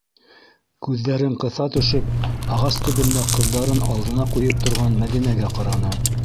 Күҙҙәрен ҡыҫа төшөп, ағас төбөндә ҡыҙҙарын алдына ҡуйып торған Мәҙинәгә ҡараны.